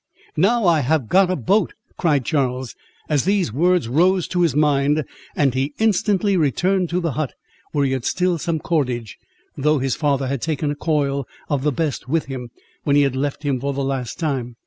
"Now I have got a boat!" cried Charles, as these words rose to his mind; and he instantly returned to the hut, where he had still some cordage, though his father had taken a coil of the best with him, when he left him for the last time.